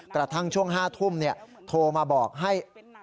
กระทั่งช่วง๕ทุ่มโทรมาบอกให้